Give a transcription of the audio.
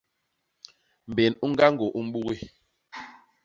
Mbén u ñgañgô u mbugi.